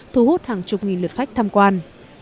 thu hút hàng chục nghìn lượt khách tham quan